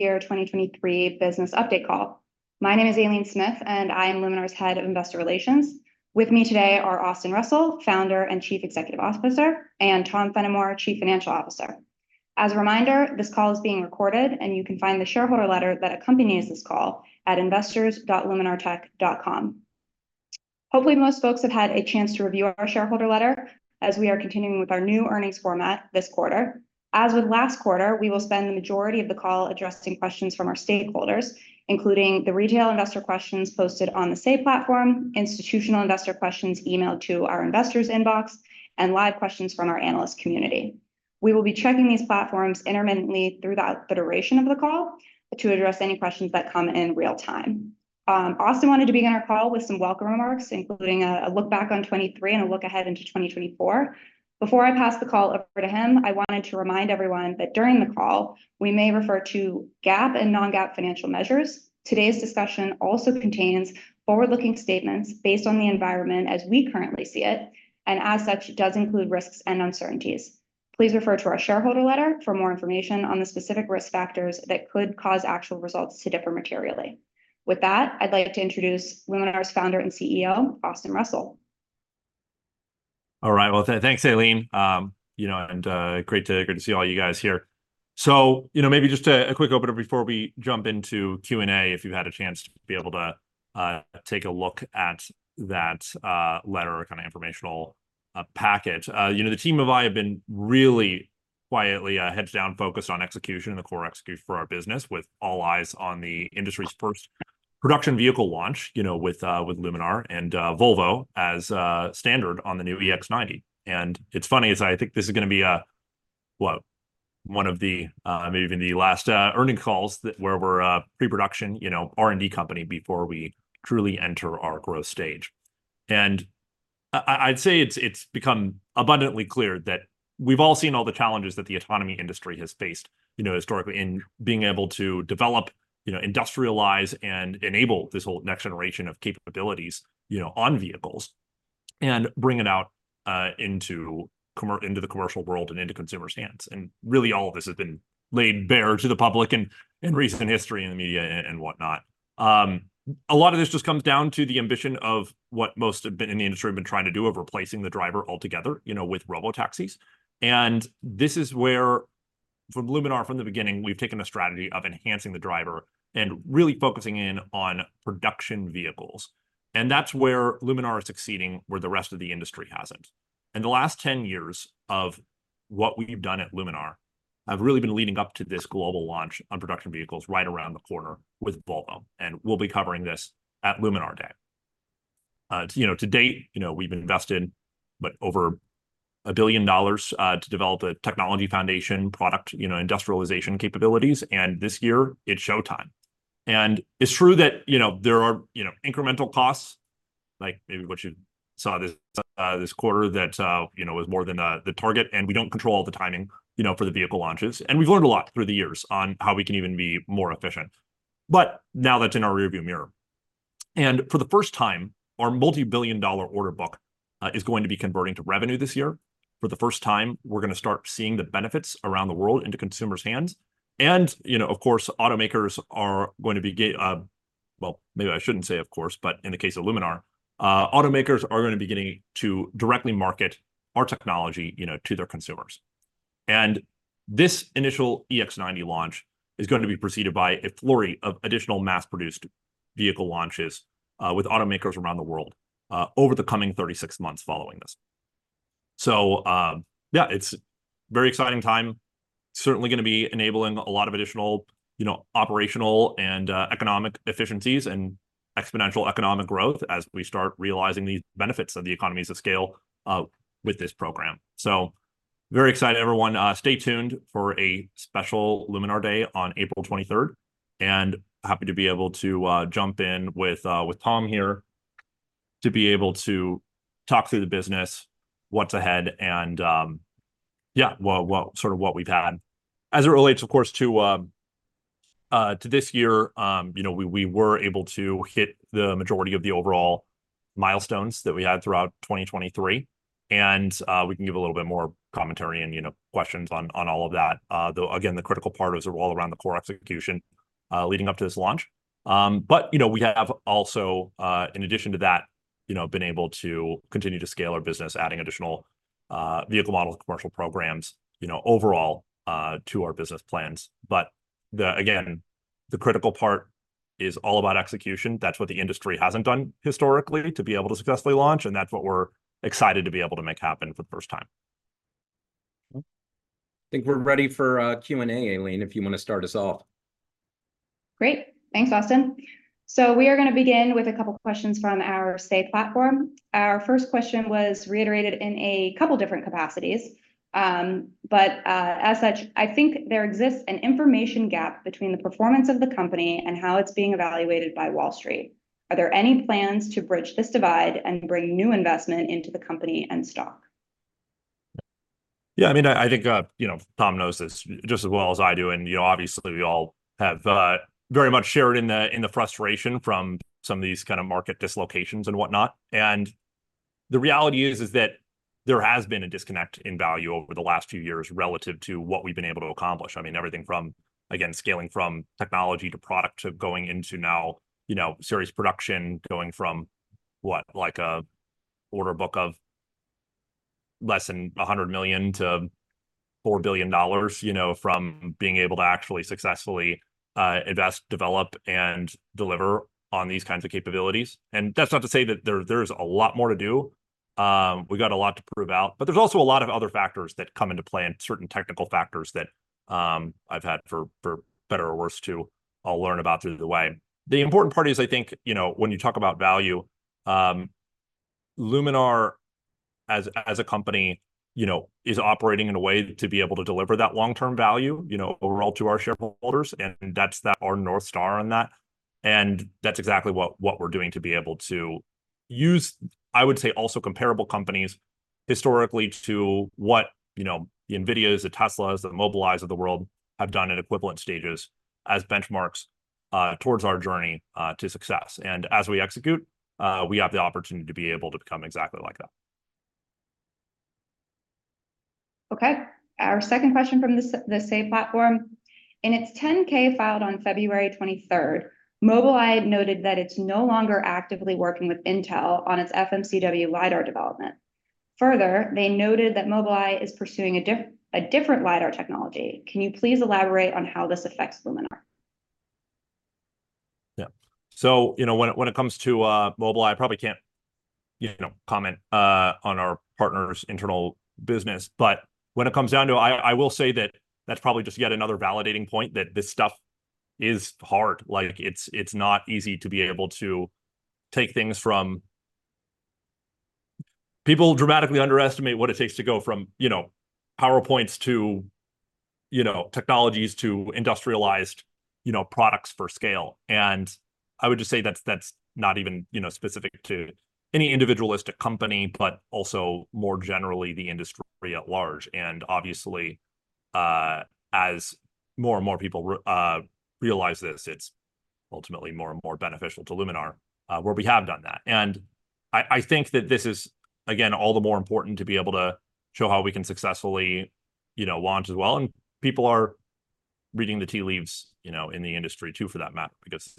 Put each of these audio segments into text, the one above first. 2023 Business Update Call. My name is Aileen Smith, and I am Luminar's Head of Investor Relations. With me today are Austin Russell, founder and Chief Executive Officer, and Tom Fennimore, Chief Financial Officer. As a reminder, this call is being recorded, and you can find the shareholder letter that accompanies this call at investors.luminartech.com. Hopefully, most folks have had a chance to review our shareholder letter as we are continuing with our new earnings format this quarter. As with last quarter, we will spend the majority of the call addressing questions from our stakeholders, including the retail investor questions posted on the Say platform, institutional investor questions emailed to our investors' inbox, and live questions from our analyst community. We will be checking these platforms intermittently throughout the duration of the call to address any questions that come in real time. Austin wanted to begin our call with some welcome remarks, including a look back on 2023 and a look ahead into 2024. Before I pass the call over to him, I wanted to remind everyone that during the call, we may refer to GAAP and non-GAAP financial measures. Today's discussion also contains forward-looking statements based on the environment as we currently see it, and as such, it does include risks and uncertainties. Please refer to our shareholder letter for more information on the specific risk factors that could cause actual results to differ materially. With that, I'd like to introduce Luminar's founder and CEO, Austin Russell. All right. Well, thanks, Aileen. And great to see all you guys here. So maybe just a quick opener before we jump into Q&A, if you've had a chance to be able to take a look at that letter or kind of informational packet. The team and I have been really quietly heads down focused on execution and the core execution for our business, with all eyes on the industry's first production vehicle launch with Luminar and Volvo as standard on the new EX90. And it's funny, as I think this is going to be, what, one of the maybe even the last earnings calls where we're a pre-production R&D company before we truly enter our growth stage. I'd say it's become abundantly clear that we've all seen all the challenges that the autonomy industry has faced historically in being able to develop, industrialize, and enable this whole next generation of capabilities on vehicles and bring it out into the commercial world and into consumers' hands. Really, all of this has been laid bare to the public in recent history in the media and whatnot. A lot of this just comes down to the ambition of what most have been in the industry have been trying to do of replacing the driver altogether with robotaxis. This is where, from Luminar, from the beginning, we've taken a strategy of enhancing the driver and really focusing in on production vehicles. That's where Luminar is succeeding where the rest of the industry hasn't. The last 10 years of what we've done at Luminar have really been leading up to this global launch on production vehicles right around the corner with Volvo. We'll be covering this at Luminar Day. To date, we've invested over $1 billion to develop a technology foundation product industrialization capabilities. This year, it's showtime. It's true that there are incremental costs, like maybe what you saw this quarter, that was more than the target. We don't control all the timing for the vehicle launches. We've learned a lot through the years on how we can even be more efficient. But now that's in our rearview mirror. For the first time, our multibillion-dollar order book is going to be converting to revenue this year. For the first time, we're going to start seeing the benefits around the world into consumers' hands. Of course, automakers are going to be well, maybe I shouldn't say, of course, but in the case of Luminar, automakers are going to be getting to directly market our technology to their consumers. And this initial EX90 launch is going to be preceded by a flurry of additional mass-produced vehicle launches with automakers around the world over the coming 36 months following this. So, yeah, it's a very exciting time. Certainly going to be enabling a lot of additional operational and economic efficiencies and exponential economic growth as we start realizing these benefits of the economies of scale with this program. So very excited, everyone. Stay tuned for a special Luminar Day on April 23rd. And happy to be able to jump in with Tom here to be able to talk through the business, what's ahead, and, yeah, sort of what we've had. As it relates, of course, to this year, we were able to hit the majority of the overall milestones that we had throughout 2023. We can give a little bit more commentary and questions on all of that, though, again, the critical part is all around the core execution leading up to this launch. We have also, in addition to that, been able to continue to scale our business, adding additional vehicle model commercial programs overall to our business plans. Again, the critical part is all about execution. That's what the industry hasn't done historically to be able to successfully launch. That's what we're excited to be able to make happen for the first time. I think we're ready for Q&A, Aileen, if you want to start us off. Great. Thanks, Austin. So we are going to begin with a couple of questions from our Say platform. Our first question was reiterated in a couple of different capacities. But as such, I think there exists an information gap between the performance of the company and how it's being evaluated by Wall Street. Are there any plans to bridge this divide and bring new investment into the company and stock? Yeah. I mean, I think Tom knows this just as well as I do. And obviously, we all have very much shared in the frustration from some of these kind of market dislocations and whatnot. And the reality is that there has been a disconnect in value over the last few years relative to what we've been able to accomplish. I mean, everything from, again, scaling from technology to product to going into now series production, going from, what, like an order book of less than $100 million to $4 billion from being able to actually successfully invest, develop, and deliver on these kinds of capabilities. And that's not to say that there's a lot more to do. We got a lot to prove out. But there's also a lot of other factors that come into play and certain technical factors that I've had, for better or worse too. I'll learn about through the way. The important part is, I think, when you talk about value, Luminar as a company is operating in a way to be able to deliver that long-term value overall to our shareholders. That's our North Star on that. That's exactly what we're doing to be able to use, I would say, also comparable companies historically to what the NVIDIAs, the Teslas, the Mobileyes of the world have done at equivalent stages as benchmarks towards our journey to success. As we execute, we have the opportunity to be able to become exactly like that. Our second question from the SAY platform. In its 10-K filed on February 23rd, Mobileye noted that it's no longer actively working with Intel on its FMCW LiDAR development. Further, they noted that Mobileye is pursuing a different LiDAR technology. Can you please elaborate on how this affects Luminar? Yeah. So when it comes to Mobileye, I probably can't comment on our partner's internal business. But when it comes down to it, I will say that that's probably just yet another validating point, that this stuff is hard. It's not easy to be able to take things from people dramatically underestimate what it takes to go from PowerPoints to technologies to industrialized products for scale. And I would just say that's not even specific to any individualistic company, but also more generally, the industry at large. And obviously, as more and more people realize this, it's ultimately more and more beneficial to Luminar, where we have done that. And I think that this is, again, all the more important to be able to show how we can successfully launch as well. People are reading the tea leaves in the industry, too, for that matter, because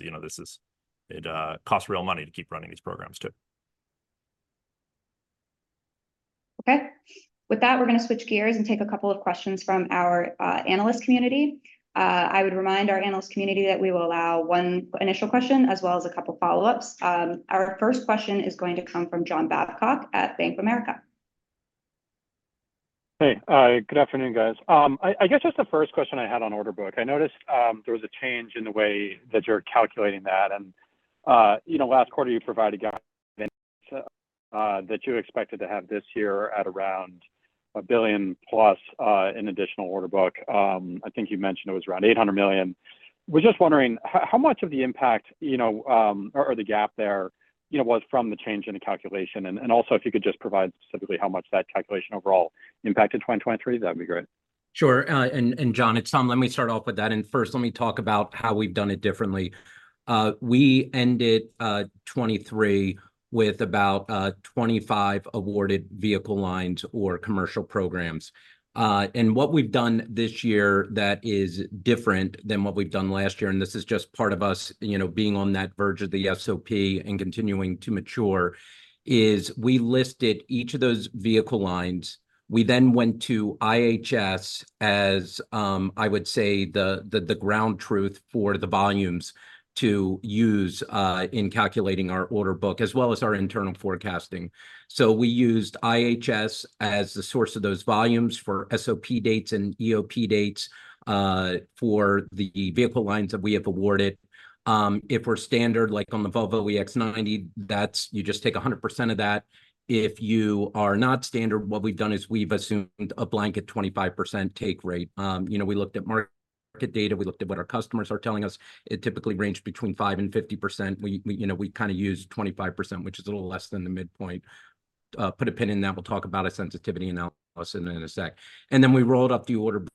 it costs real money to keep running these programs, too. Okay. With that, we're going to switch gears and take a couple of questions from our analyst community. I would remind our analyst community that we will allow one initial question as well as a couple of follow-ups. Our first question is going to come from John Babcock at Bank of America. Hey, good afternoon, guys. I guess just the first question I had on order book. I noticed there was a change in the way that you're calculating that. Last quarter, you provided guidance that you expected to have this year at around $1 billion-plus in additional order book. I think you mentioned it was around $800 million. I was just wondering how much of the impact or the gap there was from the change in the calculation. Also, if you could just provide specifically how much that calculation overall impacted 2023, that'd be great. Sure. And, John, it's Tom. Let me start off with that. And first, let me talk about how we've done it differently. We ended 2023 with about 25 awarded vehicle lines or commercial programs. And what we've done this year that is different than what we've done last year and this is just part of us being on that verge of the SOP and continuing to mature is we listed each of those vehicle lines. We then went to IHS as, I would say, the ground truth for the volumes to use in calculating our order book, as well as our internal forecasting. So we used IHS as the source of those volumes for SOP dates and EOP dates for the vehicle lines that we have awarded. If we're standard, like on the Volvo EX90, you just take 100% of that. If you are not standard, what we've done is we've assumed a blanket 25% take rate. We looked at market data. We looked at what our customers are telling us. It typically ranged between 5% to 50%. We kind of used 25%, which is a little less than the midpoint. Put a pin in that. We'll talk about a sensitivity analysis in a sec. And then we rolled up the order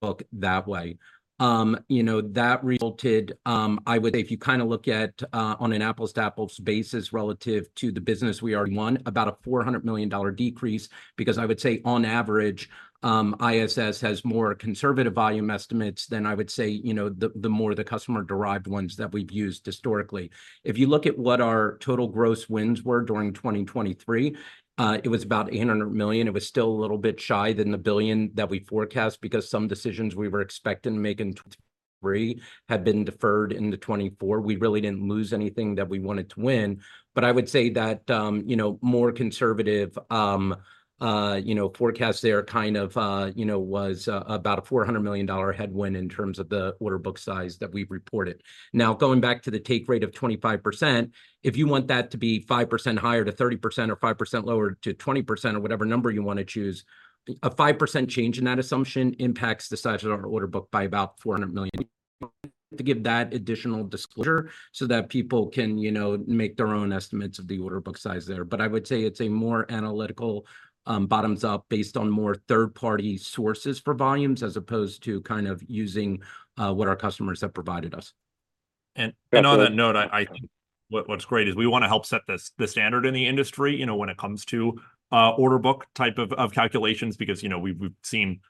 book that way. That resulted, I would say, if you kind of look at on an apples-to-apples basis relative to the business we are. 2021, about a $400 million decrease. Because I would say, on average, IHS has more conservative volume estimates than I would say the more the customer-derived ones that we've used historically. If you look at what our total gross wins were during 2023, it was about $800 million. It was still a little bit shy than the $1 billion that we forecast because some decisions we were expecting to make in 2023 had been deferred into 2024. We really didn't lose anything that we wanted to win. But I would say that more conservative forecast there kind of was about a $400 million headwind in terms of the order book size that we've reported. Now, going back to the take rate of 25%, if you want that to be 5% higher to 30% or 5% lower to 20% or whatever number you want to choose, a 5% change in that assumption impacts the size of our order book by about $400 million. To give that additional disclosure so that people can make their own estimates of the order book size there. But I would say it's a more analytical bottoms-up based on more third-party sources for volumes as opposed to kind of using what our customers have provided us. On that note, what's great is we want to help set the standard in the industry when it comes to order book type of calculations because we've seen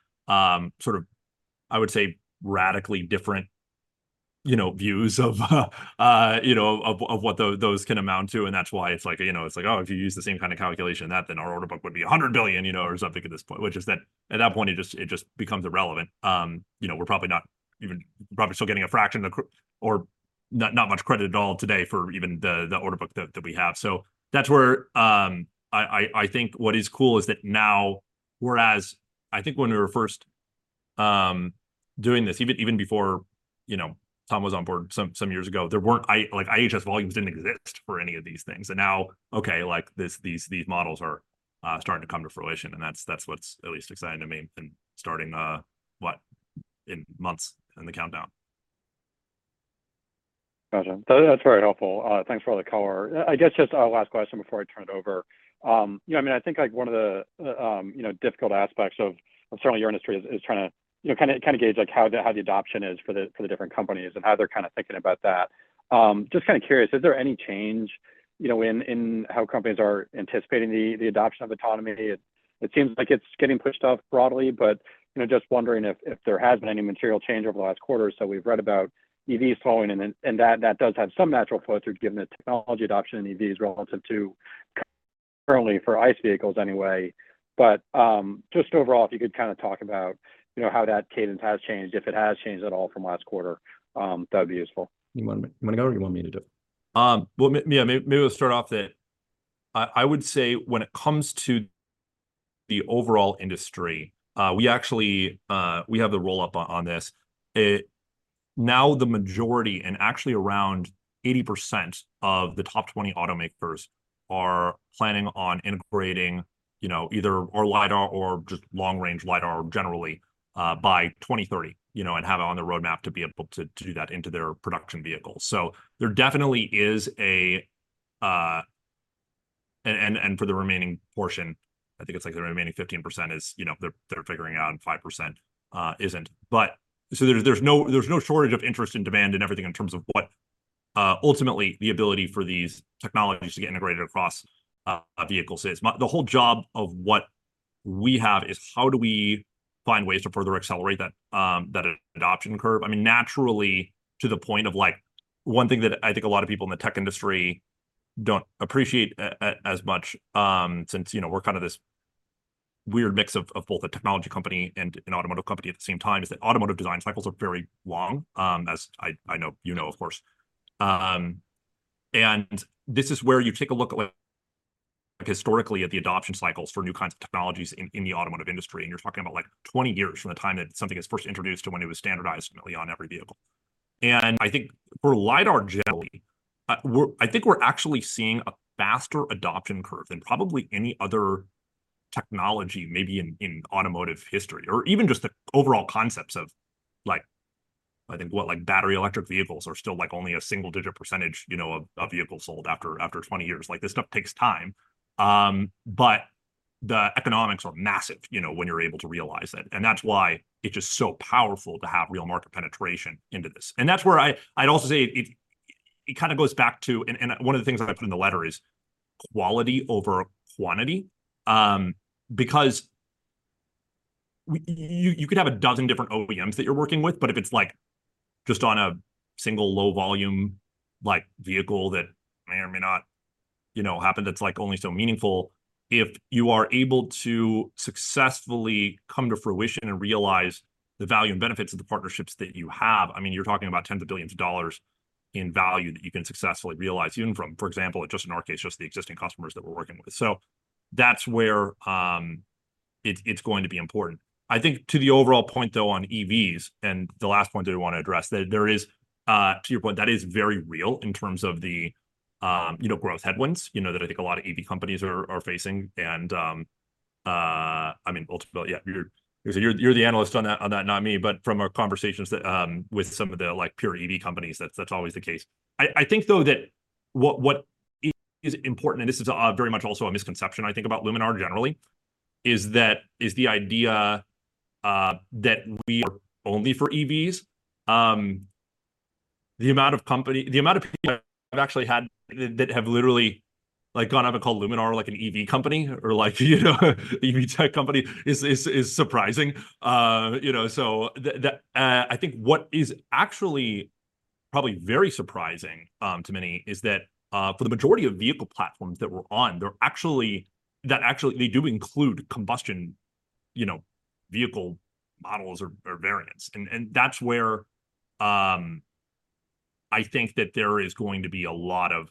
sort of, I would say, radically different views of what those can amount to. That's why it's like, it's like, "Oh, if you use the same kind of calculation that, then our order book would be $100 billion," or something at this point, which is that at that point, it just becomes irrelevant. We're probably not even probably still getting a fraction or not much credit at all today for even the order book that we have. So that's where I think what is cool is that now, whereas I think when we were first doing this, even before Tom was on board some years ago, IHS volumes didn't exist for any of these things. Now, okay, these models are starting to come to fruition. And that's what's at least exciting to me and starting, what, in months in the countdown. That's very helpful. Thanks for all the cover. I guess just a last question before I turn it over. I mean, I think one of the difficult aspects of certainly your industry is trying to kind of gauge how the adoption is for the different companies and how they're kind of thinking about that. Just kind of curious, is there any change in how companies are anticipating the adoption of autonomy? It seems like it's getting pushed off broadly. But just wondering if there has been any material change over the last quarter. So we've read about EVs slowing, and that does have some natural flow through given the technology adoption in EVs relative to currently for ICE vehicles anyway. But just overall, if you could kind of talk about how that cadence has changed, if it has changed at all from last quarter, that would be useful. You want to go, or do you want me to do? Well, yeah, maybe we'll start off that. I would say when it comes to the overall industry, we have the roll-up on this. Now, the majority and actually around 80% of the top 20 automakers are planning on integrating either our LiDAR or just long-range LiDAR generally by 2030 and have it on their roadmap to be able to do that into their production vehicles. So there definitely is a and for the remaining portion, I think it's like the remaining 15% is they're figuring out and 5% isn't. So there's no shortage of interest and demand in everything in terms of what ultimately the ability for these technologies to get integrated across vehicles is. The whole job of what we have is how do we find ways to further accelerate that adoption curve? I mean, naturally, to the point of one thing that I think a lot of people in the tech industry don't appreciate as much since we're kind of this weird mix of both a technology company and an automotive company at the same time is that automotive design cycles are very long, as I know you know, of course. And this is where you take a look historically at the adoption cycles for new kinds of technologies in the automotive industry. And you're talking about 20 years from the time that something is first introduced to when it was standardized on every vehicle. I think for LiDAR generally, I think we're actually seeing a faster adoption curve than probably any other technology, maybe in automotive history or even just the overall concepts of I think, what, battery electric vehicles are still only a single-digit % of vehicles sold after 20 years. This stuff takes time. But the economics are massive when you're able to realize it. And that's why it's just so powerful to have real market penetration into this. And that's where I'd also say it kind of goes back to and one of the things that I put in the letter is quality over quantity because you could have a dozen different OEMs that you're working with. But if it's just on a single low-volume vehicle that may or may not happen, that's only so meaningful, if you are able to successfully come to fruition and realize the value and benefits of the partnerships that you have. I mean, you're talking about tens of billions of dollars in value that you can successfully realize even from, for example, just in our case, just the existing customers that we're working with. So that's where it's going to be important. I think to the overall point, though, on EVs and the last point that I want to address, to your point, that is very real in terms of the growth headwinds that I think a lot of EV companies are facing. And I mean, ultimately, yeah, you're the analyst on that, not me. But from our conversations with some of the pure EV companies, that's always the case. I think, though, that what is important, and this is very much also a misconception, I think, about Luminar generally, is the idea that we are only for EVs. The amount of people I've actually had that have literally gone up and called Luminar an EV company or an EV tech company is surprising. So I think what is actually probably very surprising to many is that for the majority of vehicle platforms that we're on, they do include combustion vehicle models or variants. And that's where I think that there is going to be a lot of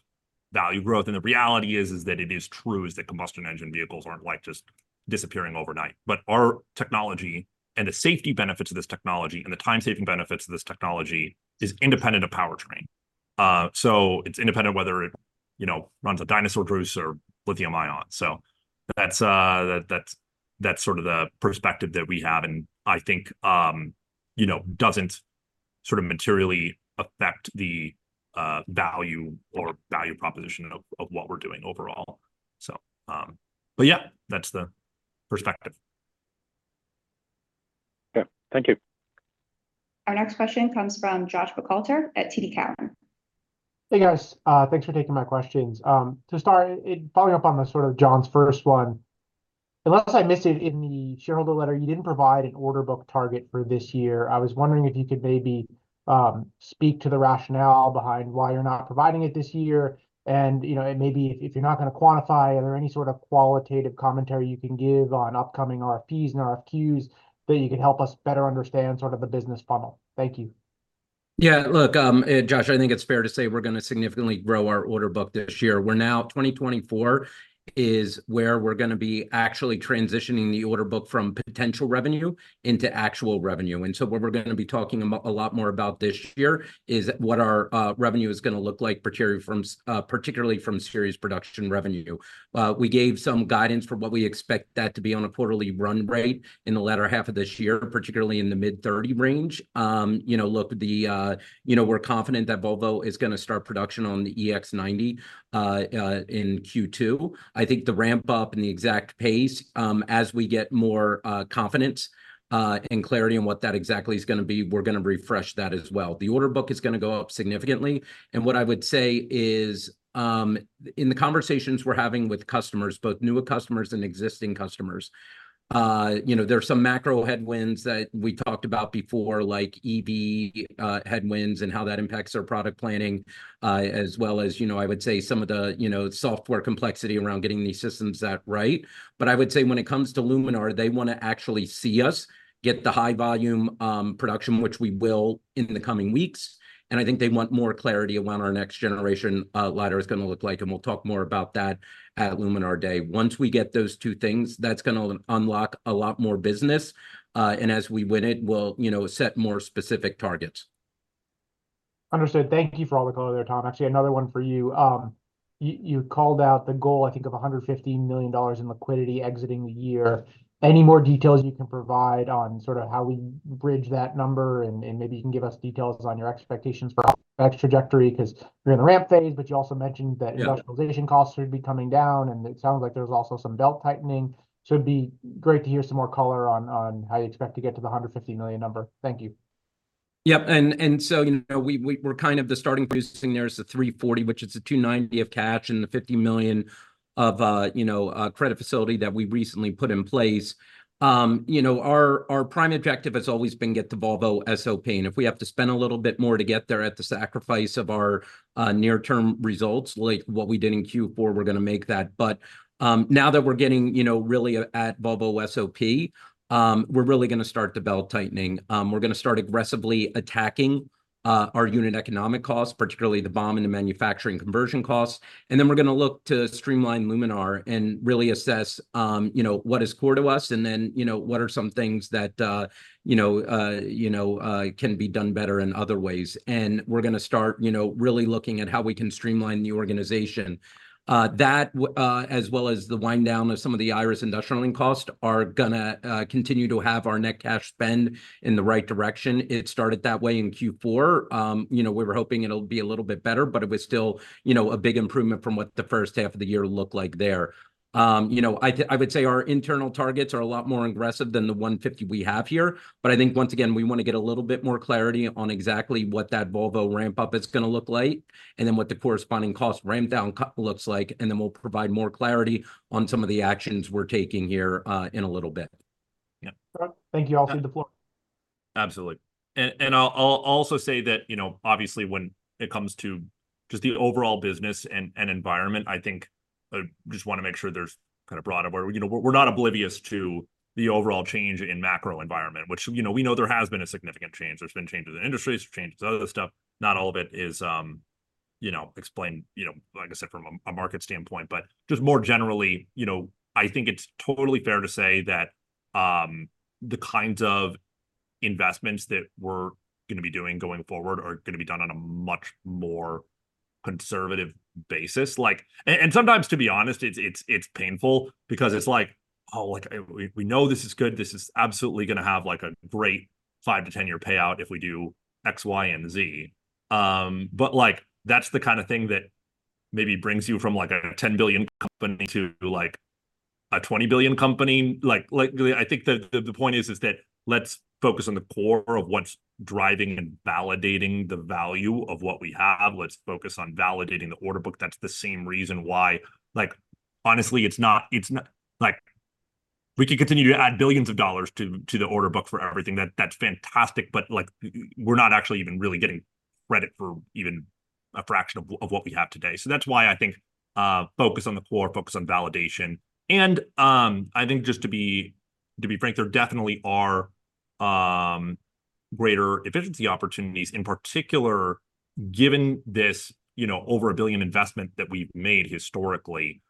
value growth. And the reality is that it is true that combustion engine vehicles aren't just disappearing overnight. But our technology and the safety benefits of this technology and the time-saving benefits of this technology is independent of powertrain. So it's independent whether it runs a dinosaur juice or lithium-ion. That's sort of the perspective that we have and I think doesn't sort of materially affect the value or value proposition of what we're doing overall. Yeah, that's the perspective. Yeah. Thank you. Our next question comes from Josh Buchalter at TD Cowen. Hey, guys. Thanks for taking my questions. To start, following up on sort of John's first one, unless I missed it in the shareholder letter, you didn't provide an order book target for this year. I was wondering if you could maybe speak to the rationale behind why you're not providing it this year. And maybe if you're not going to quantify, are there any sort of qualitative commentary you can give on upcoming RFPs and RFQs that you could help us better understand sort of the business funnel? Thank you. Yeah. Look, Josh, I think it's fair to say we're going to significantly grow our order book this year. 2024 is where we're going to be actually transitioning the order book from potential revenue into actual revenue. And so what we're going to be talking a lot more about this year is what our revenue is going to look like, particularly from series production revenue. We gave some guidance for what we expect that to be on a quarterly run rate in the latter half of this year, particularly in the mid-30 range. Look, we're confident that Volvo is going to start production on the EX90 in Q2. I think the ramp-up and the exact pace, as we get more confidence and clarity on what that exactly is going to be, we're going to refresh that as well. The order book is going to go up significantly. What I would say is in the conversations we're having with customers, both newer customers and existing customers, there are some macro headwinds that we talked about before, like EV headwinds and how that impacts our product planning, as well as, I would say, some of the software complexity around getting these systems that right. But I would say when it comes to Luminar, they want to actually see us get the high-volume production, which we will in the coming weeks. And I think they want more clarity around our next generation LiDAR is going to look like. And we'll talk more about that at Luminar Day. Once we get those two things, that's going to unlock a lot more business. And as we win it, we'll set more specific targets. Understood. Thank you for all the color there, Tom. Actually, another one for you. You called out the goal, I think, of $150 million in liquidity exiting the year. Any more details you can provide on sort of how we bridge that number? And maybe you can give us details on your expectations for X trajectory because you're in the ramp phase. But you also mentioned that industrialization costs should be coming down. And it sounds like there's also some belt tightening. So it'd be great to hear some more color on how you expect to get to the $150 million number. Thank you. Yep. And so we're kind of the starting position there. It's the $340 million, which is the $290 million of cash and the $50 million of credit facility that we recently put in place. Our prime objective has always been to get to Volvo SOP. And if we have to spend a little bit more to get there at the sacrifice of our near-term results, like what we did in Q4, we're going to make that. But now that we're getting really at Volvo SOP, we're really going to start the belt tightening. We're going to start aggressively attacking our unit economic costs, particularly the BOM and the manufacturing conversion costs. And then we're going to look to streamline Luminar and really assess what is core to us and then what are some things that can be done better in other ways. We're going to start really looking at how we can streamline the organization. That, as well as the wind-down of some of the Iris industrializing costs, is going to continue to have our net cash spend in the right direction. It started that way in Q4. We were hoping it'll be a little bit better, but it was still a big improvement from what the first half of the year looked like there. I would say our internal targets are a lot more aggressive than the 150 we have here. But I think, once again, we want to get a little bit more clarity on exactly what that Volvo ramp-up is going to look like and then what the corresponding cost ramp-down looks like. And then we'll provide more clarity on some of the actions we're taking here in a little bit. Yeah. Thank you, Austin. The floor. Absolutely. And I'll also say that, obviously, when it comes to just the overall business and environment, I think I just want to make sure there's kind of broad awareness. We're not oblivious to the overall change in macro environment, which we know there has been a significant change. There's been changes in industries, changes in other stuff. Not all of it is explained, like I said, from a market standpoint. But just more generally, I think it's totally fair to say that the kinds of investments that we're going to be doing going forward are going to be done on a much more conservative basis. And sometimes, to be honest, it's painful because it's like, "Oh, we know this is good". This is absolutely going to have a great five to 10-year payout if we do X, Y, and Z. But that's the kind of thing that maybe brings you from a $10 billion company to a $20 billion company. I think the point is that let's focus on the core of what's driving and validating the value of what we have. Let's focus on validating the order book. That's the same reason why, honestly, it's not we could continue to add billions of dollars to the order book for everything. That's fantastic. But we're not actually even really getting credit for even a fraction of what we have today. So that's why I think focus on the core, focus on validation. And I think, just to be frank, there definitely are greater efficiency opportunities, in particular, given this over a $1 billion investment that we've made historically.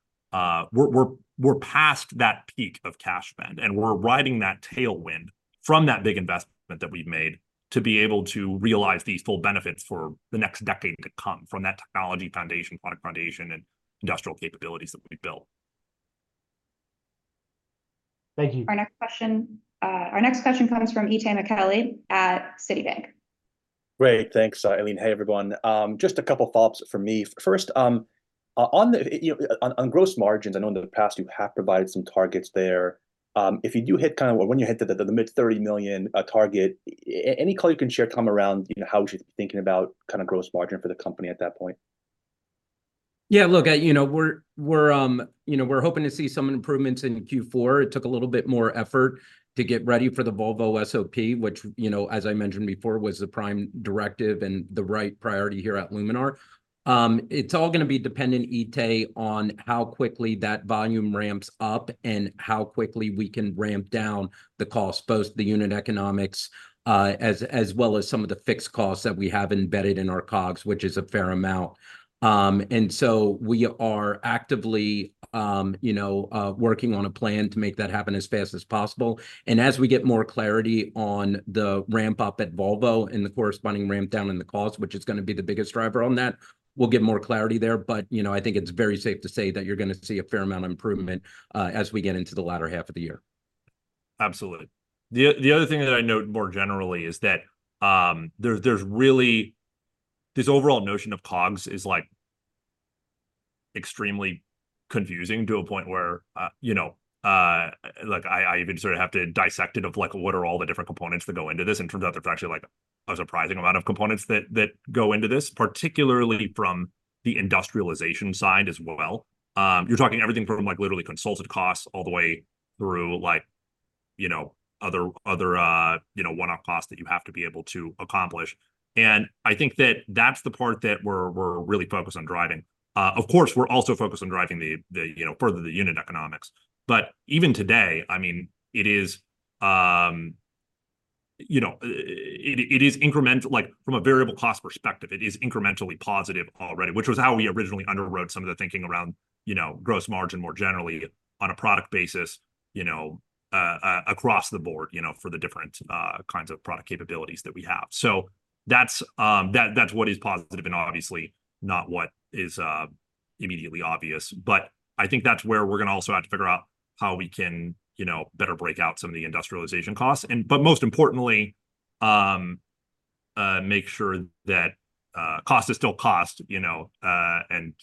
We're past that peak of cash spend, and we're riding that tailwind from that big investment that we've made to be able to realize these full benefits for the next decade to come from that technology foundation, product foundation, and industrial capabilities that we've built. Thank you. Our next question comes from Itay Michaeli at Citibank. Great. Thanks, Aileen. Hey, everyone. Just a couple of follow-ups from me. First, on gross margins, I know in the past you have provided some targets there. If you do hit kind of when you hit the mid $30 million target, any call you can share, Tom, around how we should be thinking about kind of gross margin for the company at that point? Yeah. We're hoping to see some improvements in Q4. It took a little bit more effort to get ready for the Volvo SOP, which, as I mentioned before, was the prime directive and the right priority here at Luminar. It's all going to be dependent, Itay, on how quickly that volume ramps up and how quickly we can ramp down the cost, both the unit economics as well as some of the fixed costs that we have embedded in our COGS, which is a fair amount. And so we are actively working on a plan to make that happen as fast as possible. And as we get more clarity on the ramp-up at Volvo and the corresponding ramp-down in the cost, which is going to be the biggest driver on that, we'll get more clarity there. I think it's very safe to say that you're going to see a fair amount of improvement as we get into the latter half of the year. Absolutely. The other thing that I note more generally is that this overall notion of COGS is extremely confusing to a point where I even sort of have to dissect it of what are all the different components that go into this. And it turns out there's actually a surprising amount of components that go into this, particularly from the industrialization side as well. You're talking everything from literally consulting costs all the way through other one-off costs that you have to be able to accomplish. And I think that that's the part that we're really focused on driving. Of course, we're also focused on driving further the unit economics. But even today, I mean, it is incremental from a variable cost perspective. It is incrementally positive already, which was how we originally underwrote some of the thinking around gross margin more generally on a product basis across the board for the different kinds of product capabilities that we have. So that's what is positive and obviously not what is immediately obvious. But I think that's where we're going to also have to figure out how we can better break out some of the industrialization costs, but most importantly, make sure that cost is still cost. And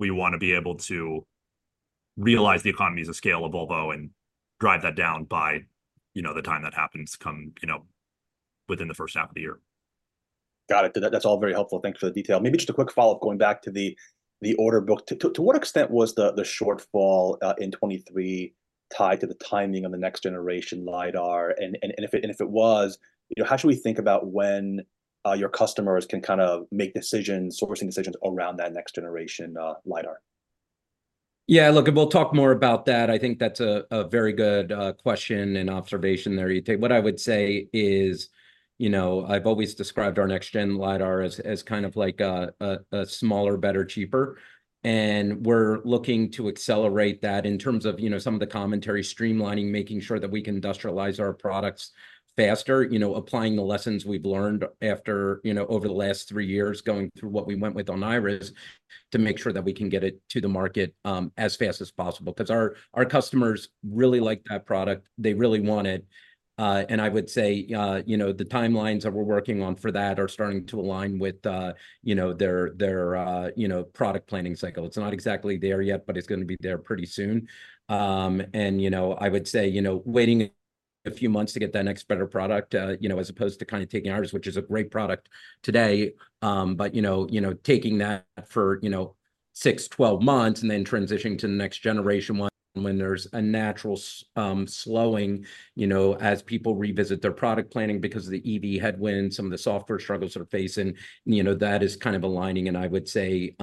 we want to be able to realize the economies of scale of Volvo and drive that down by the time that happens within the first half of the year. Got it. That's all very helpful. Thanks for the detail. Maybe just a quick follow-up going back to the order book. To what extent was the shortfall in 2023 tied to the timing of the next-generation LiDAR? And if it was, how should we think about when your customers can kind of make sourcing decisions around that next-generation LiDAR? Yeah. And we'll talk more about that. I think that's a very good question and observation there, Itay. What I would say is I've always described our next-gen LiDAR as kind of a smaller, better, cheaper. And we're looking to accelerate that in terms of some of the commentary, streamlining, making sure that we can industrialize our products faster, applying the lessons we've learned over the last three years going through what we went with on Iris to make sure that we can get it to the market as fast as possible. Because our customers really like that product. They really want it. And I would say the timelines that we're working on for that are starting to align with their product planning cycle. It's not exactly there yet, but it's going to be there pretty soon. I would say waiting a few months to get that next better product as opposed to kind of taking ours, which is a great product today, but taking that for six to 12 months and then transitioning to the next-generation one when there's a natural slowing as people revisit their product planning because of the EV headwind, some of the software struggles they're facing. That is kind of aligning. And I would say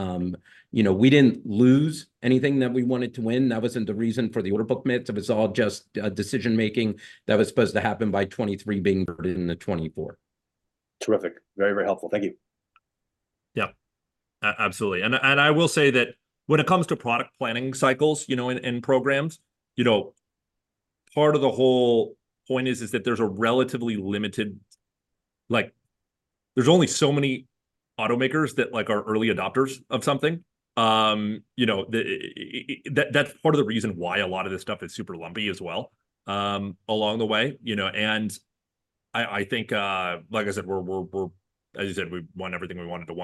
we didn't lose anything that we wanted to win. That wasn't the reason for the Order Book miss. It was all just decision-making that was supposed to happen by 2023 being in the 2024. Terrific. Very, very helpful. Thank you. Yeah. Absolutely. I will say that when it comes to product planning cycles and programs, part of the whole point is that there's only so many automakers that are early adopters of something. That's part of the reason why a lot of this stuff is super lumpy as well along the way. I think, like I said, as you said, we won everything we wanted to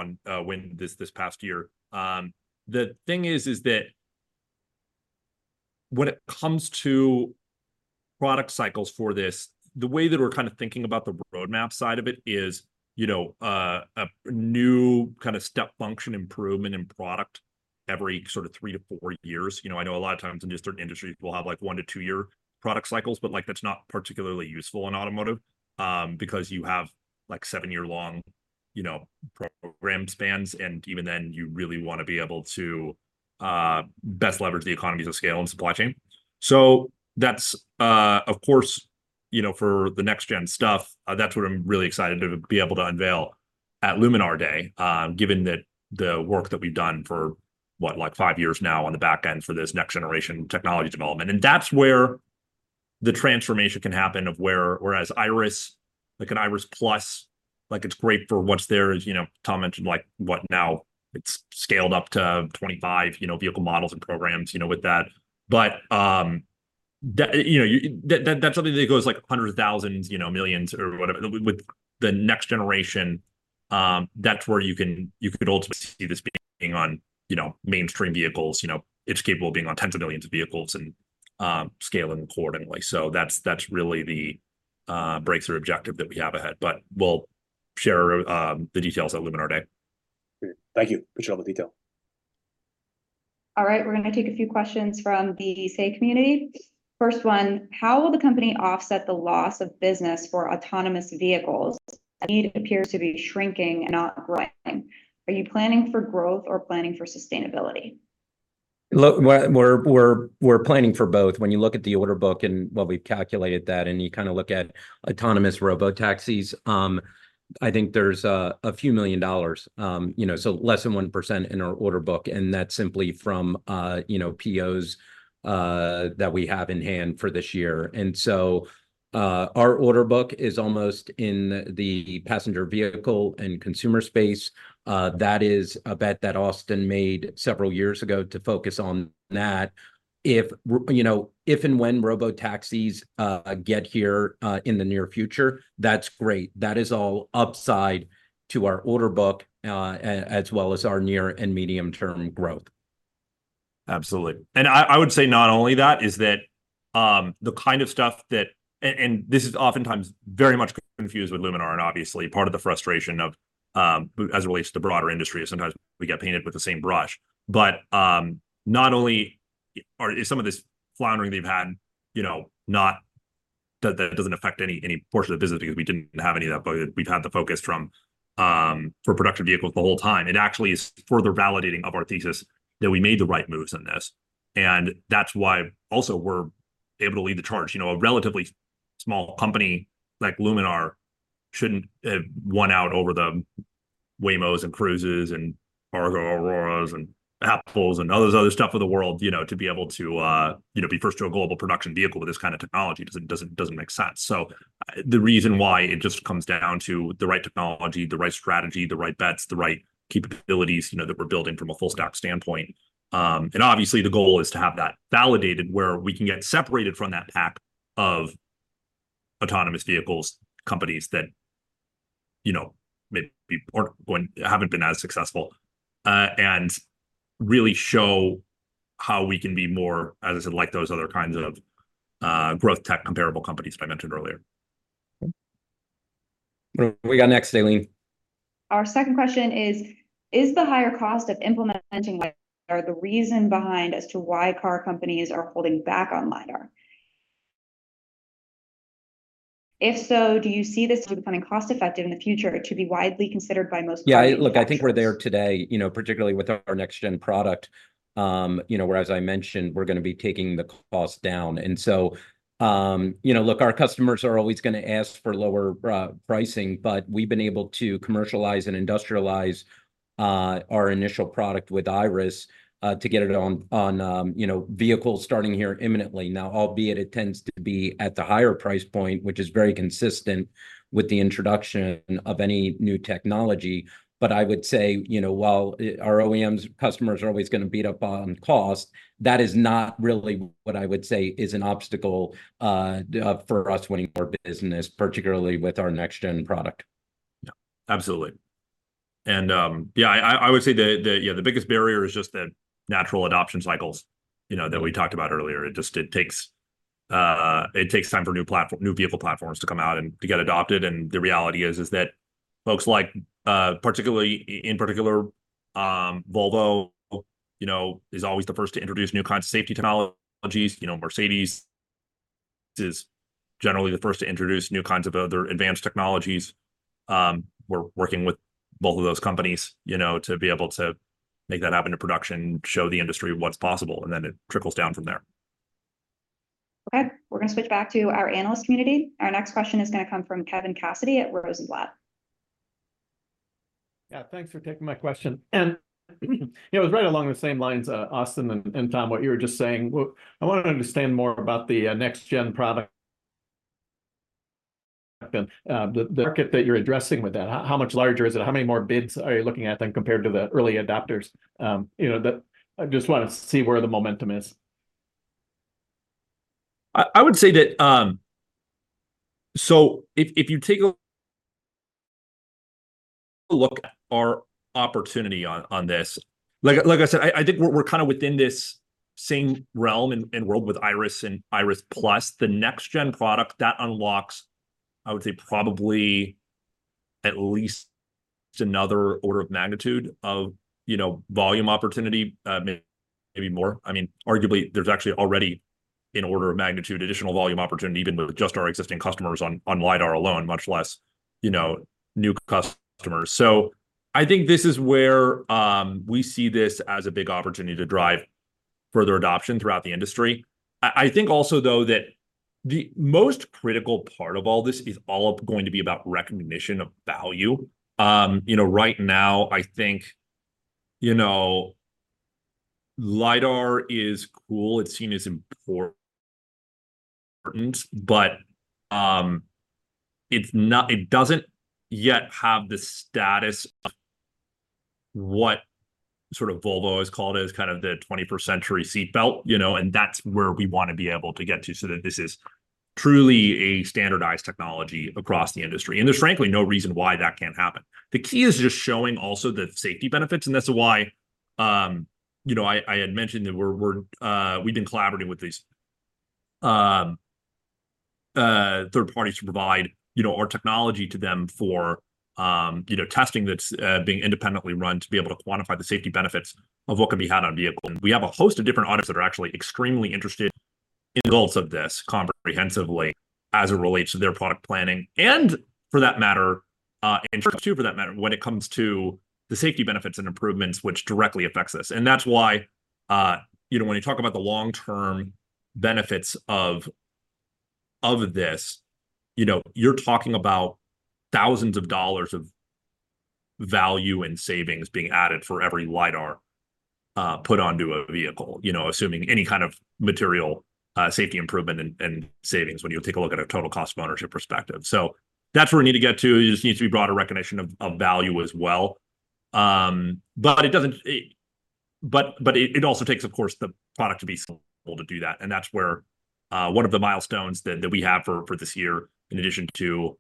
win this past year. The thing is that when it comes to product cycles for this, the way that we're kind of thinking about the roadmap side of it is a new kind of step function improvement in product every sort of three to four years. I know a lot of times in just certain industries, we'll have one to two-year product cycles, but that's not particularly useful in automotive because you have seven year long program spans. Even then, you really want to be able to best leverage the economies of scale and supply chain. So that's, of course, for the next-gen stuff, that's what I'm really excited to be able to unveil at Luminar Day, given the work that we've done for, what, five years now on the back end for this next-generation technology development. And that's where the transformation can happen of, whereas Iris, an Iris Plus, it's great for what's there. Tom mentioned what now it's scaled up to 25 vehicle models and programs with that. But that's something that goes hundreds of thousands, millions, or whatever. With the next generation, that's where you could ultimately see this being on mainstream vehicles. It's capable of being on tens of millions of vehicles and scaling accordingly. So that's really the breakthrough objective that we have ahead. But we'll share the details at Luminar Day. Great. Thank you for sharing the detail. All right. We're going to take a few questions from the SAY community. First one, how will the company offset the loss of business for autonomous vehicles as need appears to be shrinking and not growing? Are you planning for growth or planning for sustainability? We're planning for both. When you look at the order book and when we've calculated that and you kind of look at autonomous robotaxis, I think there's a few million dollars, so less than 1% in our order book. That's simply from POs that we have in hand for this year. So our order book is almost in the passenger vehicle and consumer space. That is a bet that Austin made several years ago to focus on that. If and when robotaxis get here in the near future, that's great. That is all upside to our order book as well as our near and medium-term growth. Absolutely. And I would say not only that is that the kind of stuff that and this is oftentimes very much confused with Luminar, and obviously, part of the frustration as it relates to the broader industry is sometimes we get painted with the same brush. But not only is some of this floundering that you've had not that doesn't affect any portion of the business because we didn't have any of that, but we've had the focus for production vehicles the whole time. It actually is further validating of our thesis that we made the right moves in this. And that's why also we're able to lead the charge. A relatively small company like Luminar shouldn't have won out over the Waymos and Cruises and Argo, Auroras and Apples and all this other stuff of the world to be able to be first to a global production vehicle with this kind of technology. It doesn't make sense. So the reason why it just comes down to the right technology, the right strategy, the right bets, the right capabilities that we're building from a full-stack standpoint. And obviously, the goal is to have that validated where we can get separated from that pack of autonomous vehicles companies that maybe haven't been as successful and really show how we can be more, as I said, like those other kinds of growth tech comparable companies that I mentioned earlier. What do we got next, Aileen? Our second question is, is the higher cost of implementing LiDAR the reason behind as to why car companies are holding back on LiDAR? If so, do you see this becoming cost-effective in the future to be widely considered by most? Yeah. Look, I think we're there today, particularly with our next-gen product, where, as I mentioned, we're going to be taking the cost down. So, look, our customers are always going to ask for lower pricing, but we've been able to commercialize and industrialize our initial product with Iris to get it on vehicles starting here imminently now, albeit it tends to be at the higher price point, which is very consistent with the introduction of any new technology. But I would say, while our OEMs customers are always going to beat up on cost, that is not really what I would say is an obstacle for us winning more business, particularly with our next-gen product. Yeah. Absolutely. And yeah, I would say the biggest barrier is just the natural adoption cycles that we talked about earlier. It takes time for new vehicle platforms to come out and to get adopted. And the reality is that folks, particularly, Volvo is always the first to introduce new kinds of safety technologies. Mercedes is generally the first to introduce new kinds of other advanced technologies. We're working with both of those companies to be able to make that happen in production, show the industry what's possible, and then it trickles down from there. Okay. We're going to switch back to our analyst community. Our next question is going to come from Kevin Cassidy at Rosenblatt. Yeah. Thanks for taking my question. It was right along the same lines, Austin and Tom, what you were just saying. I want to understand more about the next-gen product and the market that you're addressing with that. How much larger is it? How many more bids are you looking at than compared to the early adopters? I just want to see where the momentum is. I would say that so if you take a look at our opportunity on this, like I said, I think we're kind of within this same realm and world with Iris and Iris Plus. The next-gen product, that unlocks, I would say, probably at least another order of magnitude of volume opportunity, maybe more. I mean, arguably, there's actually already an order of magnitude additional volume opportunity, even with just our existing customers on LiDAR alone, much less new customers. So I think this is where we see this as a big opportunity to drive further adoption throughout the industry. I think also, though, that the most critical part of all this is all going to be about recognition of value. Right now, I think LiDAR is cool. It's seen as important, but it doesn't yet have the status of what sort of Volvo has called as kind of the 21st-century seatbelt. That's where we want to be able to get to so that this is truly a standardized technology across the industry. There's, frankly, no reason why that can't happen. The key is just showing also the safety benefits. That's why I had mentioned that we've been collaborating with these third parties to provide our technology to them for testing that's being independently run to be able to quantify the safety benefits of what can be had on vehicles. We have a host of different audits that are actually extremely interested in the results of this comprehensively as it relates to their product planning and, for that matter, insurance too, for that matter, when it comes to the safety benefits and improvements, which directly affects this. That's why when you talk about the long-term benefits of this, you're talking about thousands of dollars of value and savings being added for every LiDAR put onto a vehicle, assuming any kind of material safety improvement and savings when you take a look at a total cost of ownership perspective. So that's where we need to get to. It just needs to be broader recognition of value as well. But it also takes, of course, the product to be able to do that. That's where one of the milestones that we have for this year, in addition to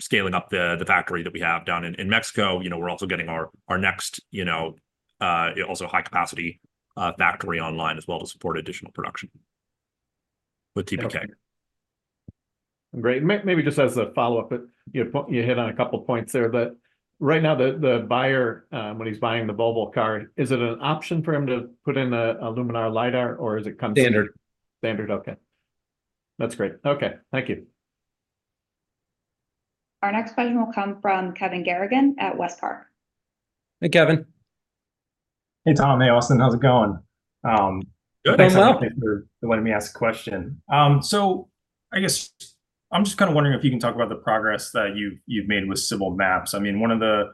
scaling up the factory that we have down in Mexico, we're also getting our next high-capacity factory online as well to support additional production with TPK. Great. Maybe just as a follow-up, you hit on a couple of points there. But right now, the buyer, when he's buying the Volvo car, is it an option for him to put in a Luminar LiDAR, or is it coming? Standard. Standard? Okay. That's great. Okay. Thank you. Our next question will come from Kevin Garrigan at WestPark. Hey, Kevin. Hey, Tom. Hey, Austin. How's it going? Good. Thanks for letting me ask a question. So I guess I'm just kind of wondering if you can talk about the progress that you've made with Civil Maps. I mean, one of the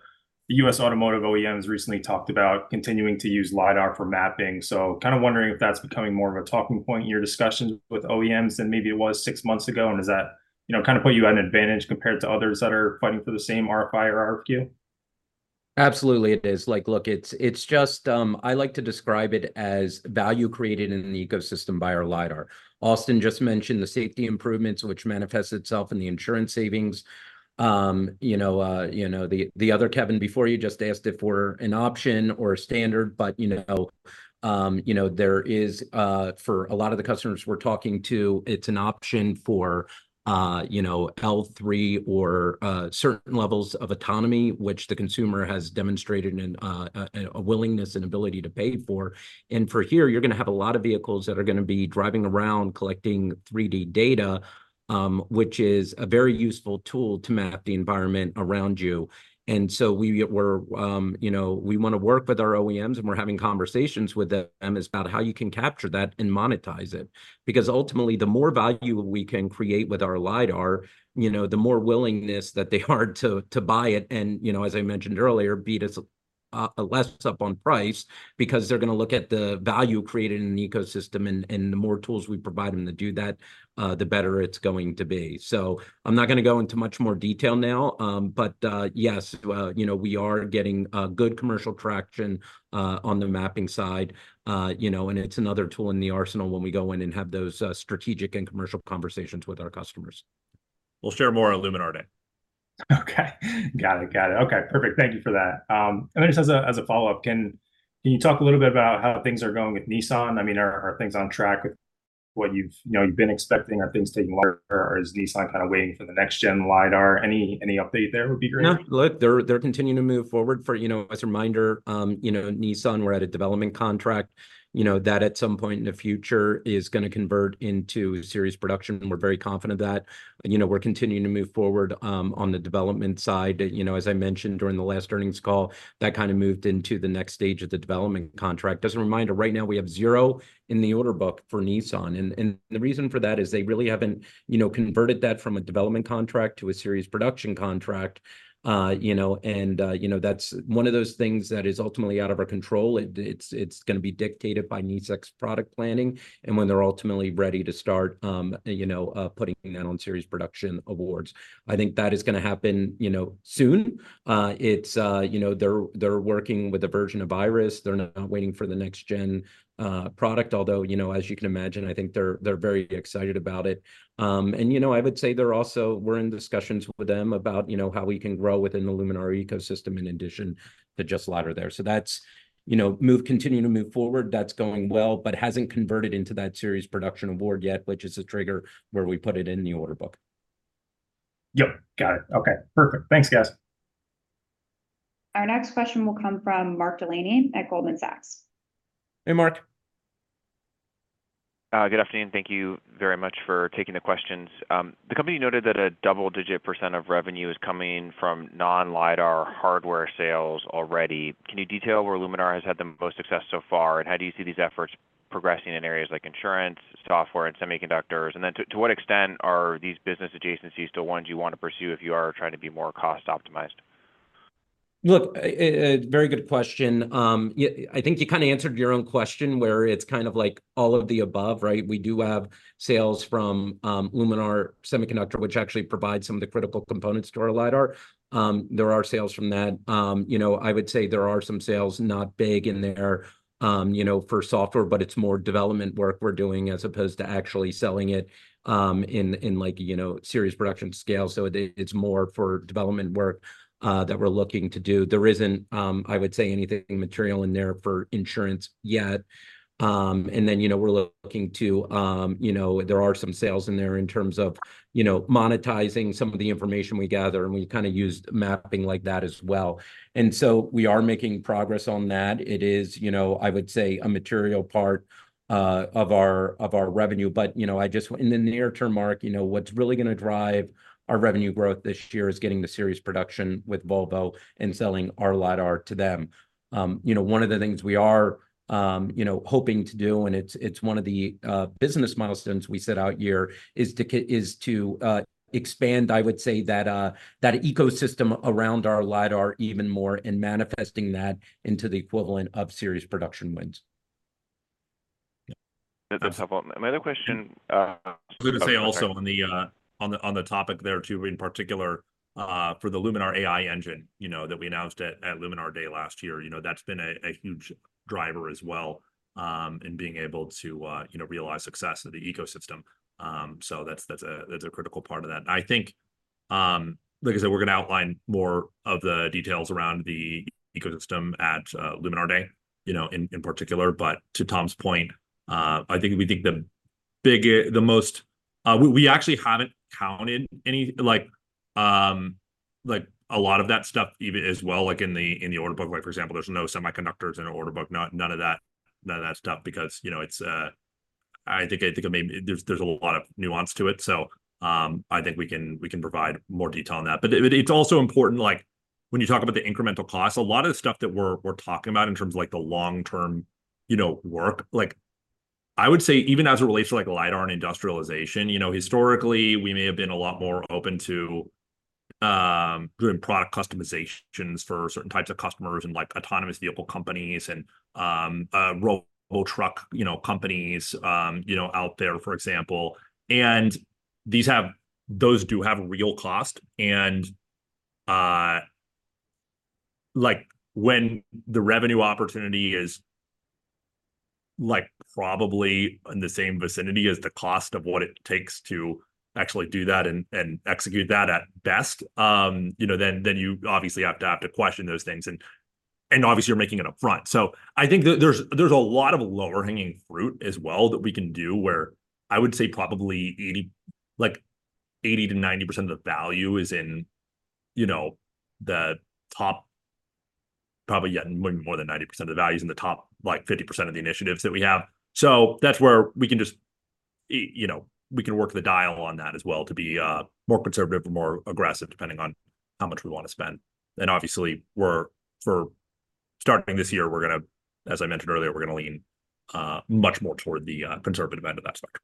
U.S. automotive OEMs recently talked about continuing to use LiDAR for mapping. So kind of wondering if that's becoming more of a talking point in your discussions with OEMs than maybe it was six months ago. And does that kind of put you at an advantage compared to others that are fighting for the same RFI or RFQ? Absolutely, it is. Look, I like to describe it as value created in the ecosystem by our LiDAR. Austin just mentioned the safety improvements, which manifest itself in the insurance savings. The other Kevin before you just asked if we're an option or a standard, but there is for a lot of the customers we're talking to, it's an option for L3 or certain levels of autonomy, which the consumer has demonstrated a willingness and ability to pay for. And for here, you're going to have a lot of vehicles that are going to be driving around collecting 3D data, which is a very useful tool to map the environment around you. And so we want to work with our OEMs, and we're having conversations with them about how you can capture that and monetize it. Ultimately, the more value we can create with our LiDAR, the more willingness that they are to buy it and, as I mentioned earlier, beat us less up on price because they're going to look at the value created in the ecosystem. The more tools we provide them to do that, the better it's going to be. I'm not going to go into much more detail now. Yes, we are getting good commercial traction on the mapping side. It's another tool in the arsenal when we go in and have those strategic and commercial conversations with our customers. We'll share more on Luminar Day. Okay. Got it. Okay. Perfect. Thank you for that. And then just as a follow-up, can you talk a little bit about how things are going with Nissan? I mean, are things on track with what you've been expecting? Are things taking longer, or is Nissan kind of waiting for the next-gen LiDAR? Any update there would be great. No. Look, they're continuing to move forward. As a reminder, Nissan, we're at a development contract that at some point in the future is going to convert into series production. We're very confident of that. We're continuing to move forward on the development side. As I mentioned during the last earnings call, that kind of moved into the next stage of the development contract. As a reminder, right now, we have zero in the order book for Nissan. And the reason for that is they really haven't converted that from a development contract to a series production contract. And that's one of those things that is ultimately out of our control. It's going to be dictated by Nissan's product planning and when they're ultimately ready to start putting that on series production awards. I think that is going to happen soon. They're working with a version of Iris. They're not waiting for the next-gen product, although, as you can imagine, I think they're very excited about it. I would say we're in discussions with them about how we can grow within the Luminar ecosystem in addition to just LiDAR there. That's continuing to move forward. That's going well but hasn't converted into that series production award yet, which is a trigger where we put it in the order book. Yep. Got it. Okay. Perfect. Thanks, guys. Our next question will come from Mark Delaney at Goldman Sachs. Hey, Mark. Good afternoon. Thank you very much for taking the questions. The company noted that a double-digit percent of revenue is coming from non-LiDAR hardware sales already. Can you detail where Luminar has had the most success so far, and how do you see these efforts progressing in areas like insurance, software, and semiconductors? And then to what extent are these business adjacencies to the ones you want to pursue if you are trying to be more cost-optimized? Look, very good question. I think you kind of answered your own question where it's kind of like all of the above, right? We do have sales from Luminar Semiconductor, which actually provides some of the critical components to our LiDAR. There are sales from that. I would say there are some sales not big in there for software, but it's more development work we're doing as opposed to actually selling it in series production scale. So it's more for development work that we're looking to do. There isn't, I would say, anything material in there for insurance yet. And then we're looking to there are some sales in there in terms of monetizing some of the information we gather, and we kind of used mapping like that as well. And so we are making progress on that. It is, I would say, a material part of our revenue. But I just in the near term, Mark, what's really going to drive our revenue growth this year is getting to series production with Volvo and selling our LiDAR to them. One of the things we are hoping to do, and it's one of the business milestones we set out here, is to expand, I would say, that ecosystem around our LiDAR even more and manifesting that into the equivalent of series production wins. That's helpful. My other question. I was going to say also on the topic there too, in particular for the Luminar AI Engine that we announced at Luminar Day last year, that's been a huge driver as well in being able to realize success of the ecosystem. So that's a critical part of that. I think, like I said, we're going to outline more of the details around the ecosystem at Luminar Day in particular. But to Tom's point, I think we think the biggest the most we actually haven't counted any a lot of that stuff as well. In the Order Book, for example, there's no semiconductors in our Order Book, none of that stuff because it's I think there's a lot of nuance to it. So I think we can provide more detail on that. But it's also important when you talk about the incremental costs, a lot of the stuff that we're talking about in terms of the long-term work, I would say even as it relates to LiDAR and industrialization, historically, we may have been a lot more open to doing product customizations for certain types of customers and autonomous vehicle companies and robotruck companies out there, for example. And those do have real cost. And when the revenue opportunity is probably in the same vicinity as the cost of what it takes to actually do that and execute that at best, then you obviously have to question those things. And obviously, you're making it upfront. So I think there's a lot of lower-hanging fruit as well that we can do where I would say probably 80% to 90% of the value is in the top probably yet more than 90% of the value is in the top 50% of the initiatives that we have. So that's where we can just we can work the dial on that as well to be more conservative or more aggressive depending on how much we want to spend. And obviously, starting this year, as I mentioned earlier, we're going to lean much more toward the conservative end of that spectrum.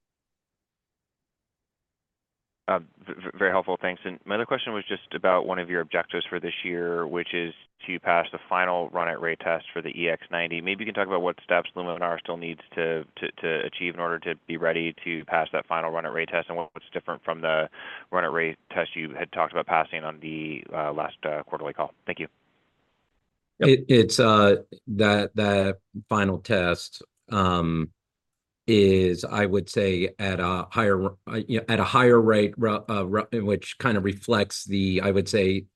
Very helpful. Thanks. And my other question was just about one of your objectives for this year, which is to pass the final Run-at-Rate test for the EX90. Maybe you can talk about what steps Luminar still needs to achieve in order to be ready to pass that final Run-at-Rate test and what's different from the Run-at-Rate test you had talked about passing on the last quarterly call. Thank you. It's that final test is, I would say, at a higher rate which kind of reflects the, I would say,